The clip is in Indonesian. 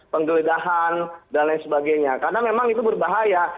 penggeledahan dan lain sebagainya karena memang itu berbahaya